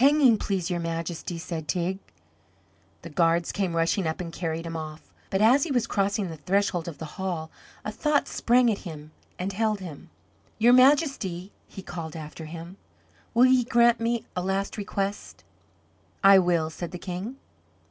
"Hanging, please, your Majesty," said Teig. The guards came rushing up and carried him off. But as he was crossing the threshold of the hall a thought sprang at him and held him. "Your Majesty," he called after him, "will ye grant me a last request?" "I will," said the King.